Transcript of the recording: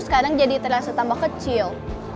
sekarang jadi terasa tambah kecil